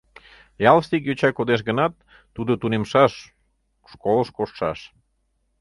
Ялыште ик йоча кодеш гынат, тудо тунемшаш, школыш коштшаш.